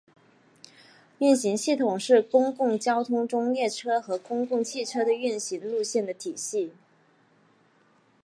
运行系统是公共交通中列车和公共汽车的运行路线的体系。